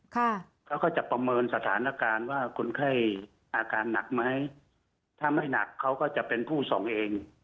เขาก็จะประเมินสถานการณ์ว่าคนไข้อาการหนักไหมถ้าไม่หนักเขาก็จะเป็นผู้ส่งเอง